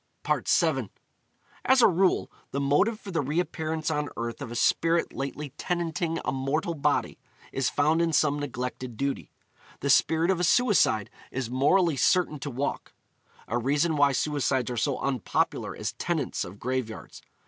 FOOTNOTE: 'Western Mail,' Dec. 14, 1877. VII. As a rule, the motive for the reappearance on earth of a spirit lately tenanting a mortal body, is found in some neglected duty. The spirit of a suicide is morally certain to walk: a reason why suicides are so unpopular as tenants of graveyards.